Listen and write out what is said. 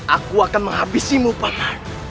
aku akan menghabisimu paman